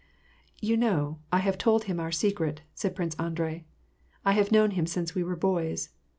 " You know, I have told him our secret," said Prince Andrei. " I have known him since we were boys.